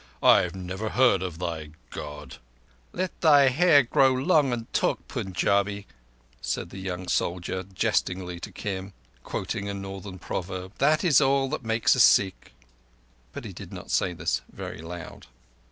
I never heard of thy God." "Let thy hair grow long and talk Punjabi," said the young soldier jestingly to Kim, quoting a Northern proverb. "That is all that makes a Sikh." But he did not say this very loud.